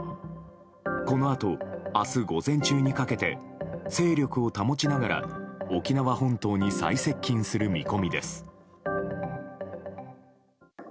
このあと、明日午前中にかけて勢力を保ちながら沖縄本島に最接近する見込みです。